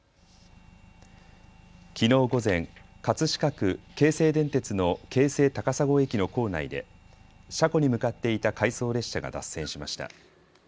きのう午前、葛飾区京成電鉄の京成高砂駅の構内で、車庫に向かっていた回送列車が脱線しました。